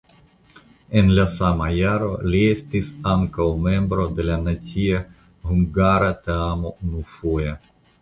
En la sama jaro li estis ankaŭ membro de la nacia hungara teamo unufoje.